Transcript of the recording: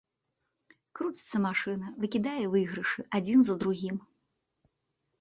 Круціцца машына, выкідае выйгрышы адзін за другім.